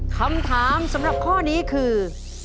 คำถามสำหรับข้อนี้คือ